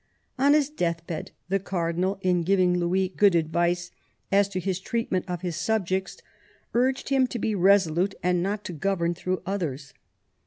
On his death bed the cardinal, in giving Louis good advice as to his treatment of his subjects, urged him to be absolute and not to govern through others.